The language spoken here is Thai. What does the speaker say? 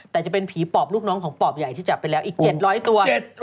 แต่จะเป็นผีปอบลูกน้องของปอบใหญ่ที่จับไปแล้วอีก๗๐๐ตัว